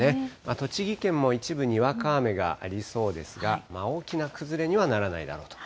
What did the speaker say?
栃木県も一部、にわか雨がありそうですが、大きな崩れにはならないだろうと。